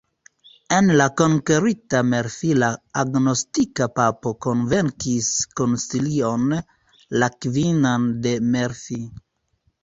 En la konkerita Melfi la agnoskita papo kunvokis koncilion, la kvinan de Melfi.